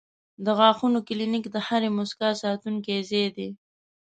د غاښونو کلینک د هرې موسکا ساتونکی ځای دی.